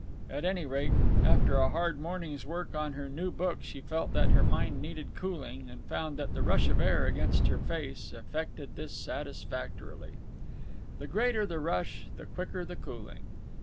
At any rate, after a hard morning's work on her new book she felt that her mind needed cooling, and found that the rush of air against her face effected this satisfactorily. The greater the rush, the quicker the cooling.